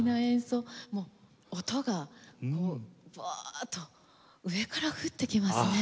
もう音がこうバッと上から降ってきますね。